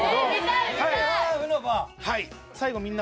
はい。